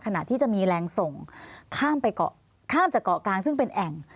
ขณะที่จะมีแรงส่งข้ามจากเกาะกลางซึ่งเป็นแอ่ง